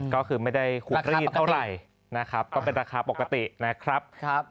ก็คือไม่ได้คุกรีดเท่าไหร่นะครับก็เป็นราคาปกตินะครับ